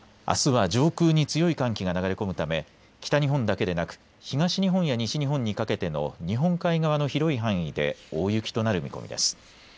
あすは上空に強い寒気が流れ込むため北日本だけでなく東日本や西日本にかけての日本海側の広い範囲で大雪となる見込みです。